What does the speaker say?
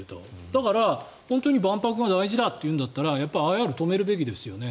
だから、本当に万博が大事だというならＩＲを止めるべきですよね。